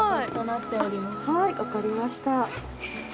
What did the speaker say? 「ねえ」はいわかりました。